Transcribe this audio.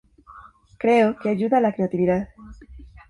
Creo que ayuda la creatividad".